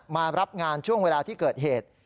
มารับงานช่วงเวลาที่เกิดเหตุ